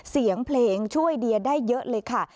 เสียงเพลงช่วยเดียได้เยอะเลยค่ะ